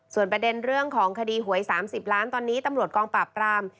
ส่วนประเด็นเรื่องของคดีหวย๓๐ล้านตอนนี้ตำรวจกองปราบปราม